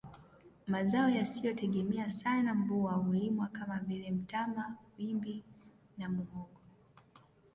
Mazao yasiyotegemea sana mvua hulimwa kama vile mtama wimbi na muhogo